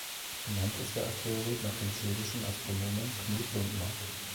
Benannt ist der Asteroid nach dem schwedischen Astronomen Knut Lundmark.